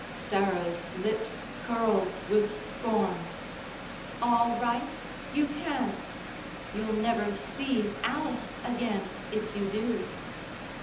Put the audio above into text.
Sarah's lips curled with scorn. "All right, you can. You'll never see Alice again if you do."